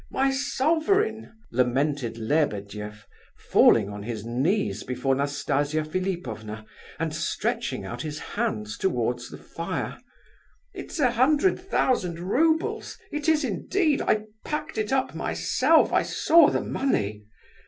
my sovereign!" lamented Lebedeff, falling on his knees before Nastasia Philipovna, and stretching out his hands towards the fire; "it's a hundred thousand roubles, it is indeed, I packed it up myself, I saw the money!